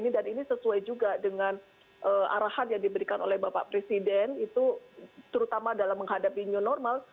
dan ini sesuai juga dengan arahan yang diberikan oleh bapak presiden terutama dalam menghadapi new normal